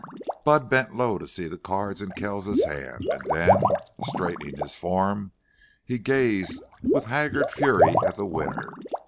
Budd bent low to see the cards in Kells's hand, and then, straightening his form, he gazed with haggard fury at the winner.